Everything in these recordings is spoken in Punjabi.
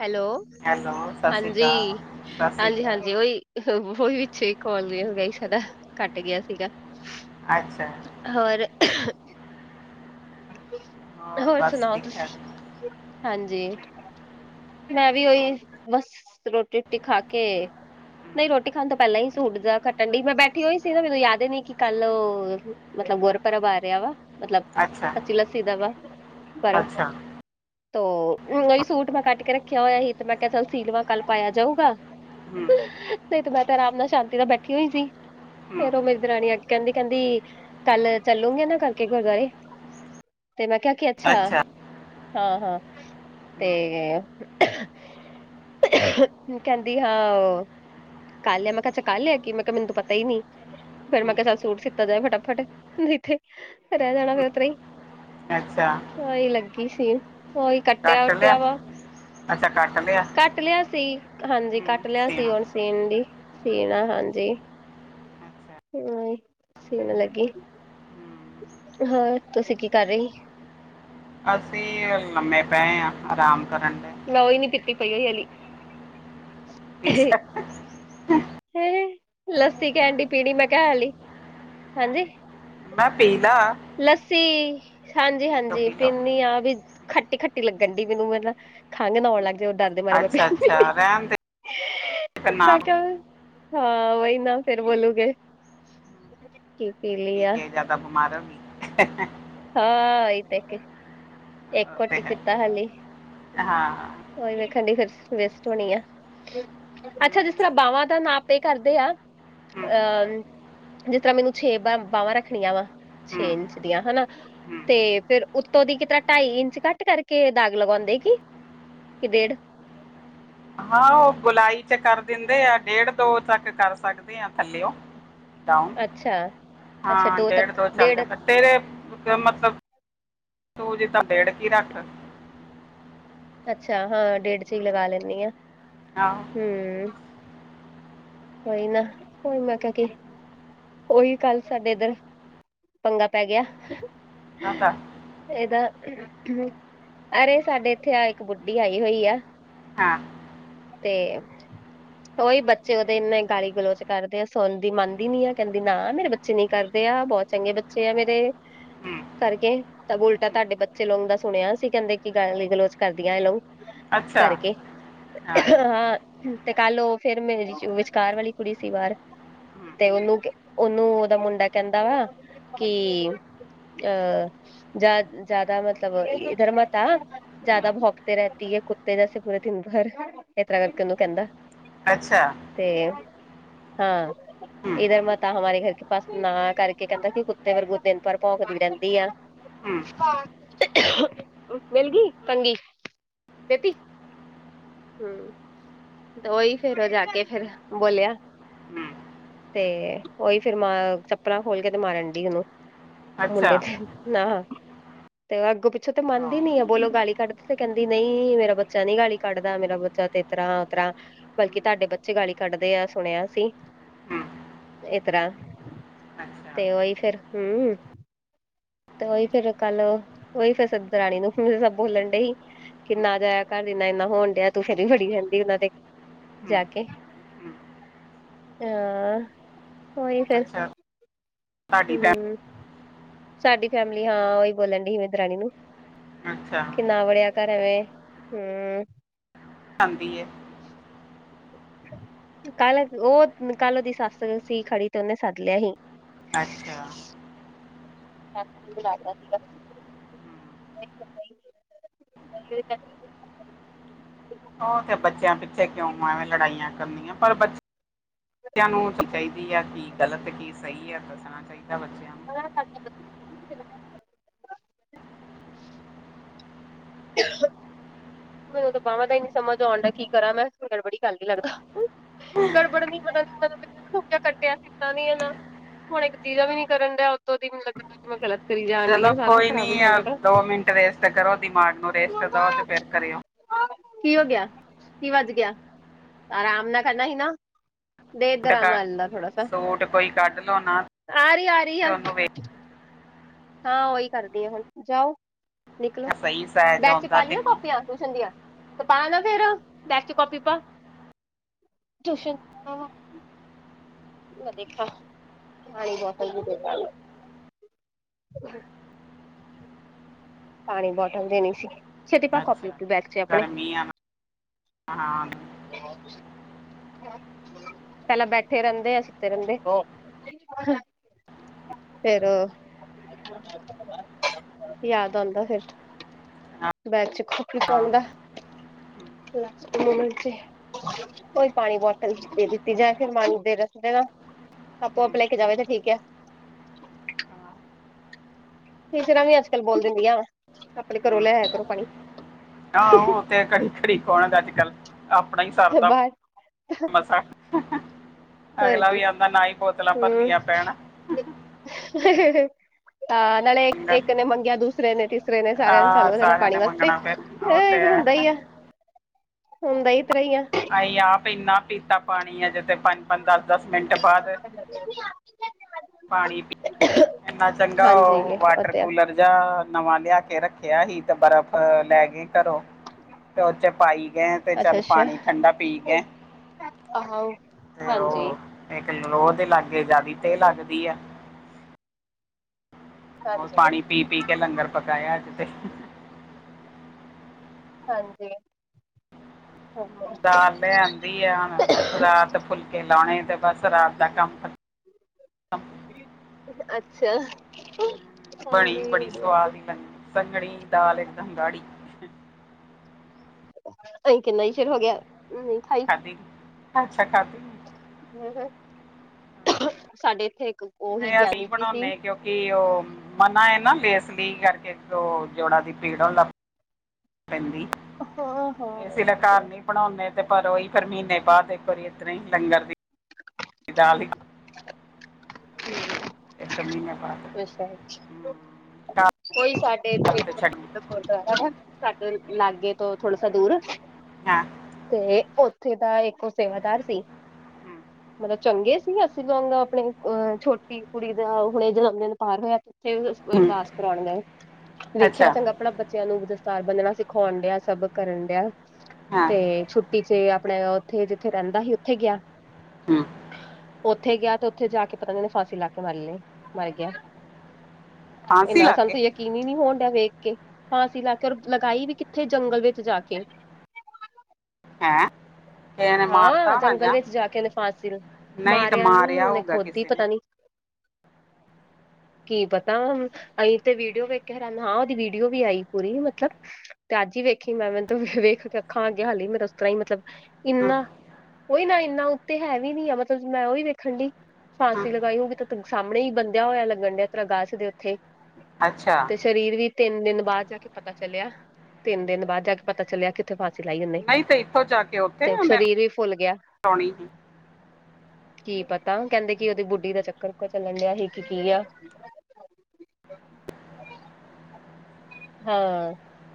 ਹੈਲੋ। ਹੈਲੋ ਸਤਿ ਸ਼੍ਰੀ ਹਾਂਜੀ, ਅਕਾਲ ਸਤਿ ਸ਼੍ਰੀ ਹਾਂਜੀ, ਅਕਾਲ ਹਾਂਜੀ। ਉਹੀ-ਉਹੀ ਪਿੱਛੇ ਕੱਲਜ਼ ਹੋ ਗ ਤੁਹਾਡਾ ਘੱਟ ਗਿਆ ਸੀਗਾ। ਅੱਛਾ ਹੋਰ ਹੋਰ ਬਸ ਸੁਣਾਓ ਠੀਕ ਤੁਸੀਂ? ਠਾਕ ਹਾਂਜੀ। ਮੈਂ ਵੀ ਠੀਕ ਓਈ, ਬਸ ਰੋਟੀ-ਰਟੀ ਖਾ ਕੇ ਨਹੀਂ ਹਮ, ਰੋਟੀ ਖਾਣ ਤੋਂ ਪਹਿਲਾਂ ਈ ਸੂਟ ਜਾ ਕੱਟਣ ਡਈ, ਮੈਂ ਬੈਠੀ ਹੋਈ ਸੀ ਨਾ, ਮੈਨੂੰ ਯਾਦ ਈ ਨੀ ਕਿ ਕੱਲ ਉਹ ਮਤਲਬ ਗੁਰਪੁਰਬ ਆ ਰਿਹਾ ਵਾ, ਮਤਲਬ ਅੱਛਾ ਕੱਚੀ ਲੱਸੀ ਦਾ ਵਾ। ਪਰ ਅੱਛਾ ਤੋ ਓਈ ਸੂਟ ਮੈਂ ਕੱਟ ਕੇ ਰੱਖਿਆ ਹੋਇਆ ਹੀ, ਤੇ ਮੈਂ ਕਿਹਾ ਚੱਲ ਸੀਲਵਾਂ ਕੱਲ ਪਾਇਆ ਜਾਊਗਾ। ਹਮ। ਨਹੀਂ ਤੇ ਮੈਂ ਆਰਾਮ ਨਾਲ, ਸ਼ਾਂਤੀ ਨਾਲ ਬੈਠੀ ਹੋਈ ਸੀ। ਹੂੰ ਫਿਰ ਉਹ ਮੇਰੀ ਦਰਾਣੀ ਆ ਕੇ ਕੈਂਦੀ ਕੈਂਦੀ, ਕੱਲ ਚੱਲੂੰਗੇ ਨਾ ਕਰਕੇ ਗੁਰਦੁਆਰੇ। ਤੇ ਮੈਂ ਕਿਹਾ ਕਿ ਅੱਛਾ। ਹਾਂ ਹਾਂ, ਹੂੰ ਤੇ ਕੈਂਦੀ ਹਾਂ। ਕੱਲ ਲਿਆ, ਮੈਂ ਕਿਆ ਅੱਛਾ ਕੱਲ ਲਿਆ ਕਿ, ਮੈਂ ਕਿਆ ਮੈਨੂੰ ਪਤਾ ਈ ਨੀ। ਫਿਰ ਮੈਂ ਹੂੰ ਕਿਆ ਚਲ ਸੂਟ ਸੀਤਾ ਜਾਏ ਫਟਾਫਟ, ਨਹੀਂ ਤੇ ਰਹਿ ਜਾਣਾ ਫੇ ਓਹ ਤਰ੍ਹਾਂ ਈ। ਅੱਛਾ। ਕੀ ਸੀ, ਓਈ ਕੱਟਿਆ ਕੱਟ ਲਿਆ ਵਟਿਆ ਵਾ। ਅੱਛਾ ਕੱਟ ਲਿਆ ਕੱਟ ਲਿਆ ਸੀ। ਹਾਂਜੀ, ਹੂੰ ਕੱਟ ਲਿਆ ਸੀ, ਸਿਆਣਾ ਹੁਣ ਸੀਨ ਡੀ। ਸੀਣਾ ਹਾਂਜੀ। ਅੱਛਾ ਹੂੰ ਹੋਰ ਤੁਸੀਂ ਕੀ ਕਰ ਰੇ ਹੀ? ਅਸੀਂ ਲੰਮੇ ਪਏ ਆਂ ਆਰਾਮ ਕਰਨ ਦੇ ਮੈਂ ਓਈ ਨੀ ਪੀਤੀ ਪਈ ਓਈ ਹਲੀ। [unintelligible] ਲੱਸੀ ਕਹਿਣ ਡ ਪੀਣੀ, ਮੈਂ ਕਿਆ ਹੈ ਲਈ, ਹਾਂਜੀ। ਮੈਂ ਪੀ ਲਾ ਲੱਸੀ ਹਾਂਜੀ ਪੀ ਲੋ ਹਾਂਜੀ ਪੀ ਲੋ ਪਿੰਨੀ ਆਂ ਵੀ ਖੱਟੀ ਖੱਟੀ ਲੱਗਣ ਡਈ ਮੈਨੂੰ। ਮਤਲਬ ਖੰਘ ਨਾ ਆਉਣ ਲੱਗ ਉਹ ਡਰਦੇ ਮਾਰੇ ਮੈ ਅੱਛਾ ਅੱਛਾ ਰਹਿਣ ਦੇ ਫਿਰ [unintelligible] ਨਾ ਮੈਂ ਕਿਆ ਹਾਂ, ਵਹੀ ਨਾ ਫੇਰ ਬੋਲੂਗੇ। ਲਈ ਪੀ ਆ ਕੇ ਜਿਆਦਾ ਬਿਮਾਰ ਹੋ ਗੀ। ਹਾਂ, ਈ‌ ਤੇ ਕੇ ਇੱਕ ਉਹ ਘੁਟ ਤੇ ਈ ਹੈ ਪੀਤਾ ਹਾਲੇ। ਹਾਂ ਓਈ ਵੇਖਣ ਡਈ ਫਿਰ ਸ ਵੇਸਟ ਹੋਣੀ ਆ ਅੱਛਾ, ਜਿਸ ਤਰ੍ਹਾਂ ਬਾਵਾਂ ਦਾ ਨਾਪ ਪੇ ਕਰਦੇ ਆ। ਹਮ, ਅਹ ਜਿਸ ਤਰ੍ਹਾਂ ਮੈਨੂੰ ਛੇ ਬਰ ਬਾਹਵਾਂ ਰੱਖਣੀਆਂ ਵਾ, ਹਮ, ਛੇ ਹਮ, ਇੰਚ ਦੀਆਂ ਹਨ। ਤੇ ਹਮ। ਫਿਰ ਉੱਤੋਂ ਦੀ ਕਿਤਰ੍ਹਾਂ ਢਾਈ ਇੰਚ ਕੱਟ ਕਰਕੇ ਦਾਗ ਲਗੋਂਦੇ ਕੀ? ਕਿ ਡੇਢ? ਹਾਂ, ਉਹ ਗੋਲਾਈ ਚ ਕਰ ਦਿੰਦੇ ਆ ਡੇਢ, ਦੋ ਤੱਕ ਕਰ ਸਕਦੇ ਆ ਥੱਲਿਓਂ ਡਾਊਨ ਅੱਛਾ-ਅੱਛਾ ਹਾਂ ਡੇਢ, ਤੱਕ ਦੋ ਚੱਲ ਡੇਢ ਜਾਂਦਾ। ਤੇਰੇ ਮਤਲਬ ਤੂੰ ਜਿੱਦਾਂ ਡੇਢ ਕ ਈ ਰੱਖ। ਅੱਛਾ ਹਾਂ, ਡੇਢ ਚ ਈ ਹਮ, ਲਗਾ ਲੈਨੀ ਆ। ਆਹੋ ਹਮ। ਕੋਈ ਨਾ, ਓਈ ਮੈਂ ਕਿਆ ਕਿ, ਉਹੀ ਕੱਲ ਸਾਡੇ ਇਧਰ ਪੰਗਾ ਪੈ ਗਿਆ। ਕਹਤਾ ਇਹਦਾ ਹਮ, ਅਰੇ ਸਾਡੇ ਇੱਥੇ ਆ ਇੱਕ ਬੁੱਢੀ ਆਈ ਹੋਈ ਆ। ਹਾਂ। ਤੇ ਓਈ ਬੱਚੇ ਉਹਦੇ ਇਨੇ ਗਾਲੀ ਗਲੋਚ ਕਰਦੇ ਆ। ਸੁਣਦੀ ਮੰਨਦੀ ਨੀ ਆ, ਕੈਂਦੀ ਨਾ ਮੇਰੇ ਬੱਚੇ ਨੀ ਕਰਦੇ ਆ ਬਹੁਤ ਚੰਗੇ ਬੱਚੇ ਆ ਮੇਰੇ। ਹਮ, ਕਰਕੇ, ਤਬ ਉਲਟਾ ਹਮ। ਤੁਹਾਡੇ ਬੱਚੇ ਲੋਂਗ ਦਾ ਸੁਣਿਆ ਸੀ ਕਹਿੰਦੇ ਕਿ ਗਾਲੀ ਗਲੋਚ ਕਰਦੀਆਂ ਇਹ ਲੋਕ ਅੱਛਾ ਕਰਕੇ, ਹਾਂ ਅ-ਹਾਂ ਤੇ ਕੱਲ ਉਹ ਫੇਰ ਮੇਰੀ ਚ ਵਿਚਕਾਰ ਵਾਲੀ ਕੁੜੀ ਸੀ ਬਾਹਰ ਹਮ, ਤੇ ਉਹਨੂੰ ਕ ਉਹਨੂੰ ਉਹਦਾ ਮੁੰਡਾ ਕੈਂਦਾ ਵਾ ਕਿ ਹਮ, ਅਹ ਜਾ-ਜਾ਼ਦਾ ਮਤਲਬ ਇਧਰ ਮਤ ਆ, ਜਾ਼ਦਾ ਹਮ। ਭੋਕਤੇ ਰਹਿਤੀ ਐ। ਕੁੱਤੇ ਜਾਸੇ ਪੂਰੇ ਦਿਨ ਘਰ ਇਤਰ੍ਹਾਂ ਕਰਕੇ ਉਹਨੂੰ ਕਹਿੰਦਾ, ਅੱਛਾ ਤੇ ਹਾਂ ਹਮ, ਇਧਰ ਮੈਂ ਤਾਂ ਹਮਾਰੇ, ਫ ਬਸ ਨਾ ਕਰਕੇ ਕਹਿੰਦਾ ਕਿ ਕੁੱਤੇ ਵਾਗੂ ਦਿਨ-ਭਰ ਭੋਂਕਦੀ ਰਹਿੰਦੀ ਆ। ਹਮ, ਅਹ ਮਿਲ ਗਈ ਕੰਗੀ ਦੇਤੀ, ਹੂੰ, ਤੇ ਉਹੀ ਫੇਰ ਉਹ ਜਾ ਕੇ ਫੇਰ ਬੋਲਿਆ। ਹਮ। ਤੇ ਉਹੀ ਫਿਰ ਮ ਚੱਪਲਾਂ ਖੋਲ ਕੇ ਤੇ ਮਾਰਨ ਡਈ ਉਨੂੰ ਅੱਛਾ ਮੁੰਡੇ ਤੇ ਨਾ, [unintelligible] ਤੇ ਅੱਗੋਂ ਪਿੱਛੋਂ ਤੇ ਹਾਂ ਮੰਨਦੀ ਨੀ ਆ ਬੋਲੋ ਗਾਲੀ ਕੱਢਦਾ ਆ ਕਹਿੰਦੀ ਨਈਂ ਮੇਰਾ ਬੱਚਾ ਨੀ ਗਾਲੀ ਕੱਢਦਾ ਮੇਰਾ ਬੱਚਾ ਤੇ ਇਤਰ੍ਹਾਂ ਤਰ੍ਹਾਂ ਬਲਕਿ ਹਮ, ਤੁਹਾਡੇ ਬੱਚੇ ਗਾਲੀ ਕੱਢਦੇ ਆ, ਸੁਣਿਆ ਸੀ। ਹਮ। ਇਤਰ੍ਹਾਂ ਅੱਛਾ ਹਮ, ਤੇ ਉਹੀ ਫੇਰ ਹੂੰ, ਤੇ ਉਹੀ ਫੇਰ ਕੱਲ ਓਹੀ ਫਿਰ ਦਰਾਣੀ ਨੂੰ ਸਭ ਬੋਲਣ ਡਈ ਕਿ ਨਾ ਜਾਇਆ ਘਰ, ਜਿੰਨਾ ਇੰਨਾ ਹੋਣ ਡਿਆ ਤੂੰ ਫੇਰ ਵੀ ਬੜੀ ਰਹਿੰਦੀ ਉਹਨਾਂ ਦੇ ਜਾ ਹਮ, ਕੇ, ਹਮ। ਹਾਂ ਉਹੀ ਫੇਰ, ਸਾਡੀ ਭੈਣ ਹਮ ਸਾਡੀ ਫੈਮਿਲੀ ਹਾਂ ਉਹੀ ਬੋਲਣ ਡੀ ਹੀ ਮੇ ਦਰਾਣੀ ਨੂੰ ਅੱਛਾ ਕਿ ਨਾ ਵੜਿਆ, ਕਰਵੇ ਹੂੰ, ਆਦੀ ਏ, ਕੱਲ ਉਹ ਕੱਲ ਉਹਦੀ ਸੱਸ ਸੀ ਖੜੀ, ਤੇ ਉਹਨੇ ਸੱਦ ਲਿਆ ਹੀ। ਅੱਛਿਆ, ਲਤਾ ਸੀਗਾ [inaudible] [inaudible] ਉਹ ਤੇ ਬੱਚਿਆਂ ਪਿੱਛੇ ਕਿਉਂ ਐਵੇਂ ਲੜਾਈਆਂ ਕਰਨੀਆਂ ਪਰ ਬੱਚੇ ਬੱਚਿਆਂ ਨੂੰ ਤਾਂ ਚਾਹੀਦੀ ਹੈ ਕੀ ਗ਼ਲਤ ਕੀ ਸਹੀ ਹੈ, ਦੱਸਣਾ ਚਾਹੀਦਾ ਬੱਚਾ [unintelligible] ਤੇ ਉਹਦੇ ਬਾਹਾਂ ਦਾ ਹੀ ਨੀ ਸਮਝ ਆਉਣ ਡਿਆ ਕੀ ਕਰਾਂ ਮੈਂ ਕੋਈ ਗੜਬੜੀ ਈ ਲੱਗਦਾ ਐ। ਗੜਬੜ ਦੀ ਪਤਾ ਨੀ ਮਤਲਬ ਸਾ ਕੱਟਿਆ ਸੀ ਨਾ [inaudible] ਹੁਣ ਇੱਕ ਜੀਅ ਜਾ ਵੀ ਨੀ ਕਰਨ ਡਿਆ ਉੱਤੋਂ ਦੀ ਮੈਂ ਕਰੀ ਜਾਣ ਡਈ ਚਲੋ ਆ ਸਾਰਾ ਕੋਈ ਖਰਾਬ ਹੀ ਨੀ ਕਰ ਆ ਦੇਣਾ। ਦੋ ਮਿੰਟ ਰੇਸਟ ਕਰੋ, ਦਿਮਾਗ ਨੂੰ ਰੇਸਟ ਦਓ ਤੇ ਫੇਰ ਕਰਿਓ। ਕੀ ਹੋ ਗਿਆ? ਕੀ ਵੱਜ ਗਿਆ? ਆਰਾਮ ਨਾਲ ਕਰਨਾ ਹੀ ਨਾਂ। ਦੇਦਰਾ ਟਕਾ ਮੱਲ ਲਾ ਥੋੜਾ ਸਾ ਸੂਟ ਕੋਈ ਕੱਢ ਲਓ ਨਾ ਆਰਈ, ਆਰਈ ਤੇ ਆਂ। ਉਹਨੂੰ ਵੇਖ ਹਾਂ ਉਹੀ ਕਰਦੀ ਆ ਹੁਣ ਜਾਓ। ਨਿਕਲੋ ਸਹੀ ਸਾਈਜ਼ ਬੈਗ਼ ਚ ਆਉਂਦਾ ਪਾ ਲਈਆਂ ਤੈਨੂੰ ਕਾਪੀਆਂ ਟੂਸ਼ਨ ਦੀਆਂ, ਤੇ ਪਾ ਨਾ ਫੇ਼ਰ ਬੈਗ਼ ਚ ਕਾਪੀ ਪਾ। ਟੂਸ਼ਨ ਅਹ ਮੈਂ ਦੇਖਾਂ ਪਾਣੀ ਬੋਤਲ ਵੀ ਦੇਖ, ਅਹ, ਪਾਣੀ ਬੋਟਲ ਦੇਣੀ ਸੀ, ਛੇਤੀ ਪਾ ਕੋਪੀ। ਅੱਛਾ ਬੈਗ਼ ਚ ਆਪਣੇ ਗਰਮੀ ਆ ਨਾ ਹਾਂ [unintelligible] ਪਹਿਲਾਂ ਬੈਠੇ ਰਹਿੰਦੇ ਆ ਸੁੱਤੇ ਰਹਿੰਦੇ ਔ ਫੇਰ, ਯਾਦ ਸੌਂਦਾ ਫਿਰ, ਹਾਂ ਬੱਚ ਖੋਹ ਕੇ ਸੌਂਦਾ [unintelligible] ਹਾ। [unintelligible] 'ਚ ਕੋਈ ਪਾਣੀ ਬੋਤਲ ਦੇ ਦਿੱਤੀ ਜਾਏ ਫਿਰ ਮੰਗਦੇ ਰਸਤੇ ਨਾ। ਆਪੋ ਆਪ ਲੈ ਕੇ ਜਾਵੇ ਤੇ ਠੀਕ ਐ। ਹਾਂ। ਟੀਚਰਾਂ ਵੀ ਅੱਜ ਕੱਲ ਬੋਲ ਦਿੰਦੀਆਂ, ਆਪਣੇ ਘਰੋਂ ਲੈ ਆਇਆ ਕਰੋ ਪਾਣੀ। ਹਾਂ, ਉਹ ਤੇ ਘੜੀ-ਘੜੀ ਕੌਣ ਅੱਜ ਕੱਲ, ਆਪਣਾ ਹੀ ਸਰਦਾ ਬਾਹਰ ਮਸਾਂ। ਹਾ-ਹਾ, ਹੋਰ ਅਗਲਾ ਕੀ ਵੀ ਆਦਾ ਨਾ ਹੀ ਬੋਤਲਾਂ ਭਰਨੀਆਂ ਪੈਣ ਹਾ-ਹਾ, ਹ-ਹ-ਹ। ਆਹ ਨਾਲੇ ਇੱਕ ਇੱਕ ਨੇ ਮੰਗਿਆ, ਦੂਸਰੇ ਨੇ, ਤੀਸਰੇ ਨੇ, ਸਾਰਿਆਂ ਨੇ ਚਾਲੂ ਆ ਹੋ ਜਾਣਾ ਸਾਰਿਆਂ ਪਾਣੀ ਨੇ ਵਾਸਤੇ। ਮੰਗਣਾ ਫਿਰ ਉਹ ਤੇ [unintelligible] ਹੈ। ਹੁੰਦਾ ਈ ਆ। [inaudible] ਹੁੰਦਾ ਈ ਅਹੀ ਆਪ ਇੰਨਾ ਪੀਤਾ ਪਾਣੀ ਅਜਿਹੇ ਤੇ ਪੰ ਪੰਜ ਦੱਸ-ਦੱਸ ਮਿੰਟ ਬਾਦ ਪਾਣੀ ਪੀ ਇੰਨਾ ਚੰਗਾ ਹਾਂਜੀ ਉਹ ਵਾਟਰ ਤੇ ਆ। ਕੂਲਰ ਜਾਂ ਨਵਾਂ ਲਿਆ ਕੇ ਰੱਖਿਆ ਹੀ। ਤੇ ਬਰਫ਼ ਲੈ ਗਈ ਘਰੋਂ ਤੇ ਉਹ ਚ ਪਾਈ ਗਏ ਤੇ ਅੱਛਾ ਚੱਲ ਅੱਛਾ ਪਾਣੀ ਠੰਢਾ ਪੀ ਗਏ। ਵਹਾਓ, ਹਾਂਜੀ। ਉਹ ਇੱਕ ਤੇ ਲੋਹ ਦੇ ਲਾਗੇ ਜ਼ਿਆਦੀ ਤੇਅ ਲੱਗਦੀ ਆ। ਹੋਰ ਹਾਂਜੀ ਪਾਣੀ ਪੀ-ਪੀ ਕੇ ਲੰਗਰ ਪਕਾਇਆ ਅੱਜ ਤੇ। ਹਾਂਜੀ। ਦਾਲ ਲੈ ਆਂਦੀ ਆ ਹੁਣ। ਰਾਤ ਫੁਲਕੇ ਲਾਉਣੇ ਤੇ ਬੱਸ ਰਾਤ ਦਾ ਕੰਮ ਖਤਮ। [unintelligible] ਅੱਛਾ। ਬਣੀ ਹਾਂਜੀ ਬੜੀ ਵਧੀਆ ਸਵਾਦ ਹੀ ਬਣੀ ਸੰਘਣੀ ਦਾਲ ਇੱਕ ਦਮ ਗਾੜ੍ਹੀ ਅਈ ਕਿੰਨਾ ਹੀ ਚਿਰ ਹੋ ਗਿਆ, ਨਈਂ, ਹਈ। ਖਾਦੀ ਅੱਛਾ, ਖਾਧੀ। ਹਂ, ਹਂ [unintelligible] ਸਾਡੇ ਇੱਥੇ ਇੱਕ ਉਹੀ ਨਹੀਂ ਅਸੀਂ ਗਿਆਨੀ ਜੀ ਸੀ ਬਣਾਉਣੇ ਕਿਉਂਕਿ ਉਹ ਮਨਾ ਇਹ ਨਾਂ ਲੇਸਲੀ ਕਰਕੇ। ਤੋਂ ਜੋੜਾਂ ਦੀ ਪੀੜ ਹੋਣ ਲੱਗ ਪ ਪੈਂਦੀ, ਹਾਂ ਹਾਂ ਇਸੇ ਲਈ ਘਰ ਨੀਂ ਬਣਾਉਣੇ। ਤੇ ਪਰ ਉਹੀ ਪਰ ਮਹੀਨੇ ਬਾਦ ਇੱਕ ਵਾਰੀ ਇਸ ਤਰ੍ਹਾਂ ਹੀ ਲੰਗਰ ਦੀ [inaudible] ਦਾਲ ਹੀ ਹਂ। ਇੱਕ ਮਹੀਨੇ ਬਾਅਦ ਅੱਛਾ-ਅੱਛਾ, ਹਮ, ਕੋਈ ਸਾਡ। ਘਰ ਤੇ ਛੱਡ [unintelligible] ਸਾਡੇ ਲਾਗੇ ਤੋਂ ਥੋੜਾ ਸਾ ਦੂਰ। ਹਾਂ ਤੇ ਉੱਥੇ, ਦਾ ਇੱਕ ਸੇਵਾਦਾਰ ਸੀ। ਹਮ, ਮਤਲਬ ਚੰਗੇ ਸੀ, ਅਸੀਂ ਦੋੰਨੋ ਆਪਣੇ ਅ ਛੋਟੀ ਕੁੜੀ ਦਾ ਹੁਣੇ ਜਨਮ ਦਿਨ ਪਾਰ ਹੋਇਆ ਜਿੱਥੇ ਵੀ, ਉਸ ਹਮ, ਵਰਦਾਸਤ ਰੌਣ ਗਏ, ਵੇਖਿਆ ਅੱਛਾ ਚੰਗਾ ਭਲਾ ਬੱਚਿਆਂ ਨੂੰ ਦਸਤਾਰ ਬੰਨਣਾ ਸਿਖਾਉਣ ਡਿਆ। ਸਭ ਕਰਨ ਡਿਆ। ਹਾਂ ਤੇ ਛੁੱਟੀ ਚ ਆਪਣੇ ਉੱਥੇ ਜਿੱਥੇ ਰਹਿੰਦਾ ਹੀ ਉੱਥੇ ਗਿਆ। ਹਮ, ਉੱਥੇ ਗਿਆ ਤੇ ਉੱਥੇ ਜਾ ਕੇ ਪਤਾ ਨੀਂ ਉਹਨੇ ਫਾਂਸੀ ਲਾ ਕੇ ਮਰ ਲਈ ਮਰ ਗਿਆ। [inaudible] ਇਹਨਾਂ ਸਾਨੂੰ ਕੇ ਤੇ ਯਕੀਨ ਈ ਨਹੀਂ ਹੋਣ ਤਾਂ ਵੇਖ ਕੇ, ਫਾਂਸੀ ਲਾ ਕੇ ਔਰ ਲਗਾਈ ਵੀ ਕਿੱਥੇ ਜੰਗਲ ਵਿੱਚ ਜਾ ਕੇ ਹੈਂ? ਕਿਸੇ ਨੇ ਮਾਰਤਾ ਹਾਂ, ਹੋਣਾ ਜੰਗਲ ਜਾਂ ਵਿੱਚ ਜਾ ਕੇ ਉਹਨੇਂ ਫਾਂਸੀ ਲ ਨਹੀਂ ਤਾਂ ਮਾਰਿਆ ਹੋਊਗਾ ਕਿਸੇ ਨੇਂ? ਕੀ ਪਤਾ ਆਹੀ ਤੇ ਵੀਡੀਓ ਵੇਖ ਕੇ ਹੈਰਾਨ ਹਾਂ, ਉਹਦੀ ਵੀਡੀਓ ਵੀ ਆਈ ਪੂਰੀ ਮਤਲਬ ਤੇ ਅੱਜ ਵੀ ਵੇਖੀ ਮੈਂ ਮੈਨੂੰ ਵੇਖ ਕੇ ਅਖਾਂ ਅੱਗੇ ਹਾਲੀ ਮੇਰੇ ਉਸ ਤਰ੍ਹਾਂ ਹੀ ਮਤਲਬ ਇੰਨਾ ਉਓਹੀ ਨਾਂ ਇੰਨਾ ਉੱਤੇ ਹੈ ਵੀ ਨੀਂ ਆ ਮਤਲਬ ਮੈਂ ਉਓਹੀ ਦੇੇਖਣ ਡ ਫਾਂਸੀ ਲਗਾਈ ਹੋ ਗਈ ਤਾਂ ਸਾਹਮਣੇ ਹੀ ਬੰਦਿਆ ਹੋਇਆ ਲੱਗਣ ਡਿਆ ਤ੍ਹਾਂ ਗਾ ਸੀਦੇ ਉੱਥੇ ਅੱਛਾ ਤੇ ਸਰੀਰ ਵੀ ਤਿੰਨ ਦਿਨ ਬਾਅਦ ਜਾ ਕੇ ਪਤਾ ਚੱਲਿਆ, ਤਿੰਨ ਦਿਨ ਬਾਅਦ ਜਾ ਕੇ ਪਤਾ ਚੱਲਿਆ ਕਿੱਥੇ ਫਸ ਨਈਂ ਤੇ ਇੱਥੋਂ ਜਾ ਕੇ ਉਥ ਤੇ ਸਰੀਰ ਵੀ ਫੁੱਲ ਗਿਆ। ਕੀ ਪਤਾ ਕਹਿੰਦੇ ਕੀ ਉਹਦੀ ਬੁੱਢੀ ਦਾ ਚੱਕਰ ਚੁਕਰ ਚੱਲਣ ਡਿਆ ਹੀ ਕਿ ਕੀ ਆ [unintelligible] ਹਾਂ,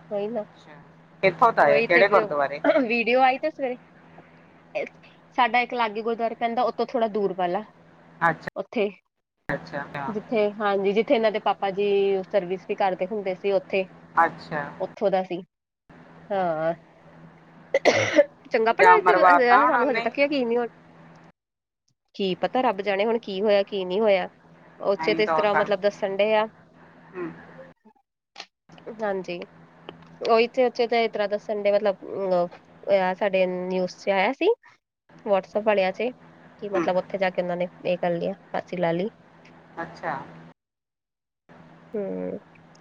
ਕੋਈ ਨਾ। ਅੱਛਾ ਇੱਥੋਂ ਦਾ ਹੈ ਉਹੀ ਤੇ, ਕਿਹੜੇ ਗੁਰਦੁਆਰੇ ਵੀਡੀਓ ਆਈ ਤੇ ਸ ਸਾਡਾ ਇੱਕ ਲਾਗੇ ਗੁਰਦੁਆਰੇ ਪੈਂਦਾ, ਉਤੋਂ ਥੋੜਾ ਦੂਰ ਵਾਲਾ ਅੱਛਾ ਉੱਥੇ, ਅੱਛਾ ਜਿੱਥੇ ਹਾਂਜੀ ਜਿੱਥੇ ਇਹਨਾਂ ਦੇ ਪਾਪ ਭਾਜੀ, ਸਰਵਿਸ ਵੀ ਕਰਦੇ ਹੁੰਦੇ ਸੀ ਉੱਥੇ, ਅੱਛਾ ਉਥੋਂ ਦਾ ਸੀ। ਹਾਂ। ਚੰਗਾ ਜਾਂ ਪੜ੍ਹਾਈ ਤੇ, ਮਰਵਾਤਾ ਹੋਣਾ ਸਾਨੂੰ ਹਜੇ ਨਹੀਂ ਤੱਕ ਯਕੀਨ ਨੀ ਹੋ ਕੀ ਪਤਾ, ਰੱਬ ਜਾਣੇ ਹੁਣ ਕੀ ਹੋਇਆ, ਕੀ ਨਹੀਂ ਹੋਇਆ। ਉਚੇ ਨਹੀਂ ਤੇ, ਇਸ ਤਾਂ ਹੋ ਤਰ੍ਹਾਂ ਮਤਲਬ ਸਕਦਾ ਦੱਸਣ ਡੇ ਆ। ਹੂੰ ਹਾਂਜੀ! ਉਹੀ ਉੱਚੇ -ਉੱਚੇ ਤੇ ਇਸ ਤਰ੍ਹਾਂ ਦੱਸਣ, ਡ ਮਤਲਬ ਸਾਡੇ ਨਿਊਜ ਚ ਆਇਆ ਸੀ। ਵਟਸਐਪ ਵਾਲਿਆ, ਚ ਕਿ ਹੂੰ ਮਤਲਬ, ਉੱਥੇ ਜਾ ਕੇ ਉਹਨਾਂ ਨੇ ਇਹ ਕਰ ਲਿਆ ਫਾਂਸੀ ਲਾ ਲਈ। ਅੱਛਾ। ਹਮ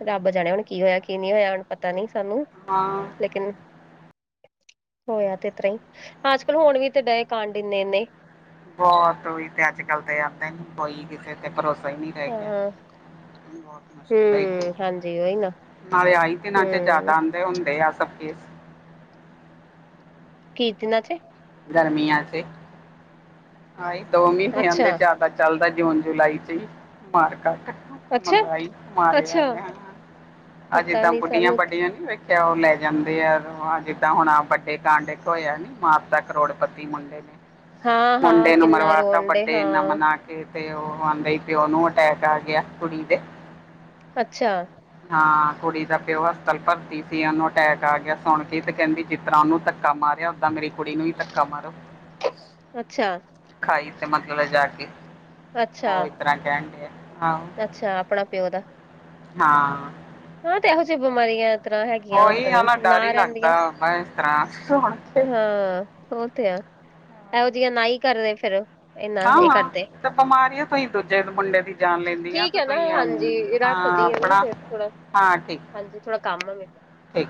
ਰੱਬ ਜਾਣੇ, ਹੁਣ ਕੀ ਹੋਇਆ, ਕੀ ਨਹੀਂ ਹੋਇਆ ਹੁਣ ਪਤਾ ਨੀ ਸਾਨੂੰ। ਹਾਂ ਲੇਕਿਨ ਹੋਇਆ ਤੇ, ਤਰ੍ਹਾਂ ਹੀ ਅੱਜਕੱਲ ਹੁਣ ਵੀ ਤੇ ਡਏ ਕਾਂਡ ਇੰਨੇ- ਇੰਨੇ। ਬਹੁਤ ਤੇ ਅੱਜ -ਕੱਲ ਤੇ ਆਉਂਦਾ ਨੀ, ਕੋਈ, ਕਿਸੇ ਤੇ ਭਰੋਸਾ ਹੀ ਨਹੀਂ ਰਹਿ ਗਿਆ। ਹਾਂ ਬਹੁਤ ਮੁਸ਼ਕਿਲ ਹੂੰ ਹਾਂਜੀ ਉਹੀ ਨਾ [unintelligible] ਨਾਲੇ ਆਈ। ਦਿਨਾਂ ਚ ਜ਼ਿਆਦਾ ਹੂੰ ਆਉਂਦੇ ਹੁੰਦੇ ਆ, ਸਭ ਕੇ ਕੀ ਦਿਨਾਂ ਚ? ਗਰਮੀਆਂ ਚ, ਆਹ ਹੀ ਦੋ ਮਹੀਨੇ ਆਂਦੇ ਅੱਛਾ ਜ਼ਿਆਦਾ ਚੱਲਦਾ ਜੂਨ -ਜੁਲਾਈ ਚ ਹੀ ਮਾਰ ਕੱਟ ਅੱਛਾ ਮਹਿੰਗਾਈ ਮਾਰਿਆ ਅੱਛਾ ਗਿਆ ਹਨਾ, ਅਜੇ ਪਤਾ ਤਾਂ ਨੀ ਬੁੱਢੀਆਂ ਸਾਨੂੰ ਤੇ ਬਾਢੀਆਂ ਨੀ ਵੇਖ ਉਹ ਲੈ ਜਾਂਦੇ ਆ, ਜਿੱਦਾਂ ਹੁਣ ਆ ਵੱਡੇ ਕਾਂਡ ਹੋਇਆ ਨੀ ਮਾਪ ਤੱਕ ਕਰੋੜਪਤੀ ਮੁੰਡੇ ਨੇ ਹਾਂ ਹਾਂ ਮੁੰਡੇ ਨੂੰ ਕਿੰਨਾ ਮਰਵਾਤਾ, ਰੋਣ ਡੇ ਬਰਡੇ ਇੰਨਾ ਹਾਂ ਮਨਾ ਕੇ ਤੇ ਉਹ ਆਂਦੇ ਹੀ ਪਿਓ ਨੂੰ, ਅਟੈਕ ਆ ਗਿਆ ਕੁੜੀ ਦੇ। ਅੱਛਾ ਹਾਂ ਕੁੜੀ ਦਾ ਪਿਓ ਹਸਪਤਾਲ ਭਰਤੀ ਸੀ ਉਹਨੂੰ ਅਟੈਕ ਆ ਗਿਆ ਸੁਣ ਕੇ ਤੇ ਕਹਿੰਦੀ ਜਿਸ ਤਰ੍ਹਾਂ ਉਹਨੂੰ ਧੱਕਾ ਮਾਰਿਆ ਓਦਾਂ ਮੇਰੀ ਕੁੜੀ ਨੂੰ ਵੀ ਧੱਕਾ ਮਾਰੋ ਅੱਛਾ ਖਾਈ ਮਤਲਬ ਜਾ ਕੇ ਅੱਛਾ ਉਹ ਇਸ ਤਰ੍ਹਾਂ ਕਹਿੰਦੇ ਕਹਿਣ ਡੇ ਹੈ ਅੱਛਾ ਆਪਣਾ ਪਿਉ ਦਾ ਹਾਂ। ਹਾਂ ਤੇ ਐਹੋ ਜਿਹੀ, ਬਿਮਾਰੀ ਹੈ। ਤਰ੍ਹਾਂ ਹੈਗੀਆ, ਉਹੀ ਪਤਾ ਆ ਨੀ, ਡਰ ਨਾ ਹੀ ਲੱਗਦਾ ਰਹਿੰਦੀਆਂ ਵਾ ਇਸ ਤਰ੍ਹਾਂ ਸੁਣ ਕੇ ਹਾਂ, ਹੋ ਇਹੋ ਜਿਹੀਆਂ, ਨਾ ਹੀ ਕਰਦੇ ਫੇਰ ਹਾਂ -ਹਾਂ, ਤੇ ਬਿਮਾਰੀਆਂ ਭਈ ਦੂਜੇ ਮੁੰਡੇ ਦੀ ਜਾਨ ਲੈਂਦੀ ਆ, ਤੇ ਤੁਸੀਂ ਹਾਂ। ਦੀ ਆ ਨਾ, ਆਪਣਾ ਫਿਰ ਥੋੜਾ ਹਾਂ ਠੀਕ ਹਾਂਜੀ ਥੋੜਾ ਕੰਮ ਆ ਮੇ ਠੀਕ